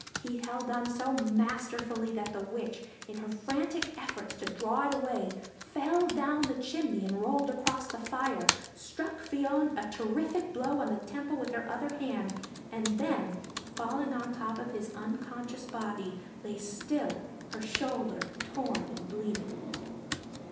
He held on so masterfully that the witch, in her frantic efforts to draw it away, fell down the chimney, rolled across the fire, struck Fion a terrific blow on the temple with her other hand, and then, falling on top of his unconscious body, lay still, her shoulder torn and bleeding.